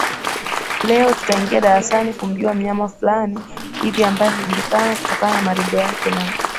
Leo tutaingia darasani kumjua mnyama Fulani hivi ambae hujulikana kutokana na maringo yake na